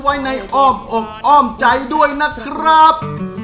ไว้ในอ้อมอกอ้อมใจด้วยนะครับ